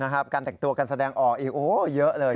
นะครับการแต่งตัวกันแสดงออกอีกโอ้เยอะเลย